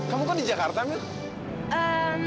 kamu kok di jakarta mil